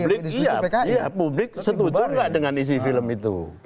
publik iya publik setuju gak dengan isi film itu